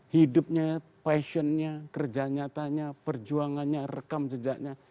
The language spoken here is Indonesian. hidupnya passionnya kerja nyatanya perjuangannya rekam jejaknya